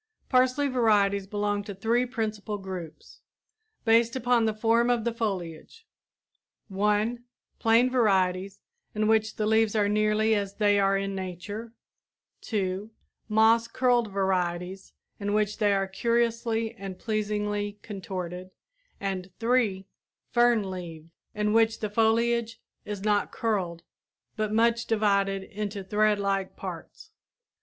Parsley varieties belong to three principal groups, based upon the form of the foliage: (1) Plain varieties, in which the leaves are nearly as they are in nature; (2) moss curled varieties in which they are curiously and pleasingly contorted; and (3) fern leaved, in which the foliage is not curled, but much divided into threadlike parts.